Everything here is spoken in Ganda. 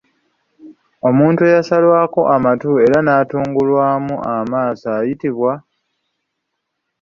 Omuntu eyasalwako amatu era n'atungulwamu amaaso ayitibwa?